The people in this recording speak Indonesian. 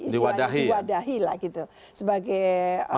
diwadahi lah gitu sebagai